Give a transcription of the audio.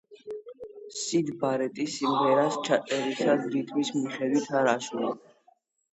სიდ ბარეტი სიმღერას ჩაწერისას რიტმის მიხედვით არ ასრულებდა.